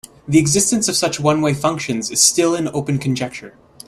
The existence of such one-way functions is still an open conjecture.